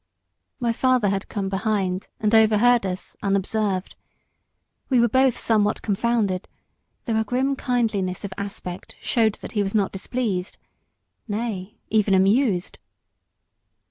My father had come behind, and overheard us, unobserved. We were both somewhat confounded, though a grim kindliness of aspect showed that he was not displeased nay, even amused.